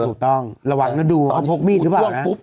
ถูกต้องระวังนะดูเขาพกมีดหรือเปล่านะ